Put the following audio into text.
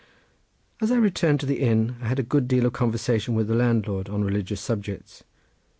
As I returned to the inn I had a good deal of conversation with the landlord on religious subjects.